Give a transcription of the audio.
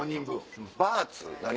バーツ何？